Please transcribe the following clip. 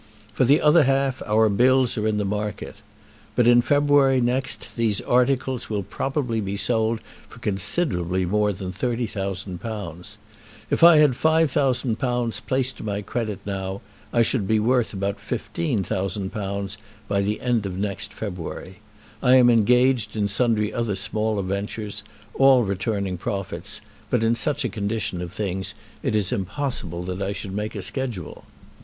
For the other half our bills are in the market. But in February next these articles will probably be sold for considerably more than £30,000. If I had £5000 placed to my credit now, I should be worth about £15,000 by the end of next February. I am engaged in sundry other smaller ventures, all returning profits; but in such a condition of things it is impossible that I should make a schedule.